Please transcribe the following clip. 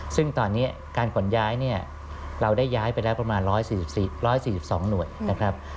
ซึ่งตอนนี้การขนย้ายเนี่ยเราได้ย้ายไปแล้วประมาณ๑๔๒หน่วยนะครับ